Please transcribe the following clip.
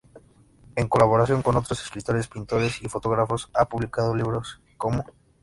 En colaboración con otros escritores, pintores y fotógrafos ha publicado libros como